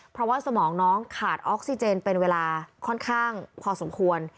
เพราะว่าสมองน้องขาดออกซิเจนเป็นเวลาค่อนข้างพอสมควร